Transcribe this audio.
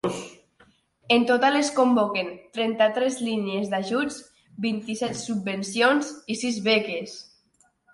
En total, es convoquen trenta-tres línies d'ajuts; vint-i-set subvencions i sis beques.